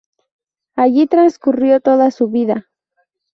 Allí transcurrió toda su vida.